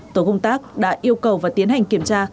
tổ công tác đã yêu cầu và tiến hành kiểm tra